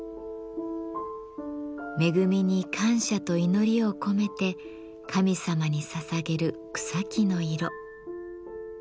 恵みに感謝と祈りを込めて神様にささげる草木の色。